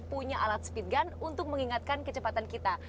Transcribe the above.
punya alat speed gun untuk mengingatkan kecepatan kita